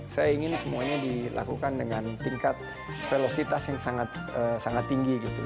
saya ingin semuanya dilakukan dengan tingkat velositas yang sangat tinggi gitu